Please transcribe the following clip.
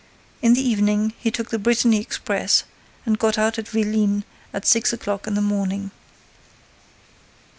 In the evening, he took the Brittany express and got out at Vélines as six o'clock in the morning.